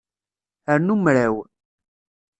Rnu mraw.